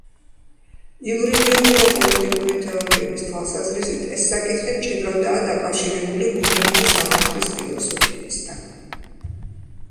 იურიდიული და პოლიტიკური თეორიების თვალსაზრისით, ეს საკითხი მჭიდროდაა დაკავშირებული ბუნებითი სამართლის ფილოსოფიასთან.